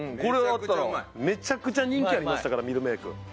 めちゃくちゃ人気ありましたからミルメーク。